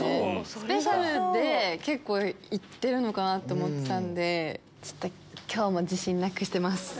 スペシャルメニューで結構行ってると思ってたんで今日も自信なくしてます。